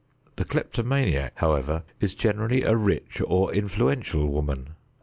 The kleptomaniac, however, is generally a rich or influential woman.